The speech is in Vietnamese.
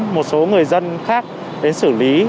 một số người dân khác đến xử lý